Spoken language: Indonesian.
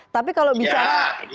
tapi kalau bicara